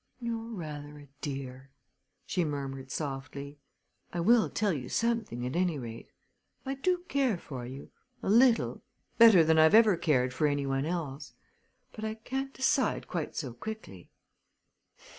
"You're rather a dear!" she murmured softly. "I will tell you something at any rate. I do care for you a little better than I've ever cared for any one else; but I can't decide quite so quickly."